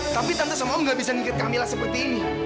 tapi tante sama om nggak bisa ningkat kamilah seperti ini